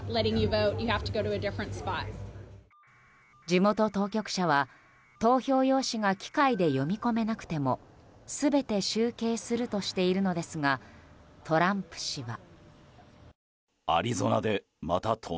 地元当局者は、投票用紙が機械で読み込めなくても全て集計するとしているのですがトランプ氏は。